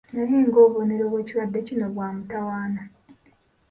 Naye nga obubonero bw’ekirwadde kino bwa mutawaana.